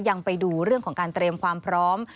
ยังไปดูเรื่องของการเตรียมความพร้อม